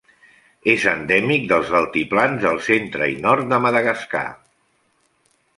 És endèmic dels altiplans del centre i nord de Madagascar.